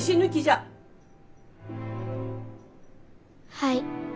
はい。